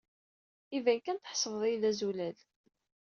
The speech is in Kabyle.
Iban kan tḥesbed-iyi d azulal.